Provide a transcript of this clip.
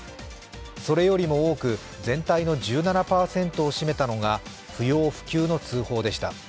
それよりも多く、全体の１７％を占めたのが不要不急の通報でした。